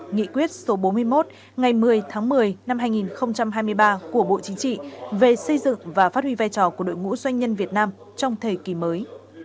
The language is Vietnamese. nghị quyết số bốn mươi một ngày một mươi tháng một mươi năm hai nghìn hai mươi ba của bộ chính trị về xây dựng và phát huy vai trò của đội ngũ doanh nhân việt nam trong thời kỳ mới